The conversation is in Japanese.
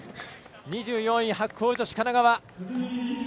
２４位、白鵬女子、神奈川。